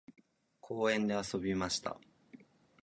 公園で遊びました。